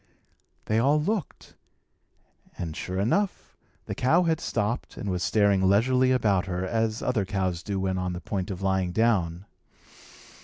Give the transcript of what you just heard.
They all looked; and, sure enough, the cow had stopped and was staring leisurely about her, as other cows do when on the point of lying down.